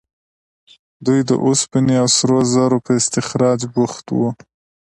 دوی د اوسپنې او سرو زرو په استخراج بوخت وو.